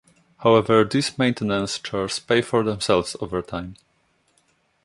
However, these maintenance chores pay for themselves over time.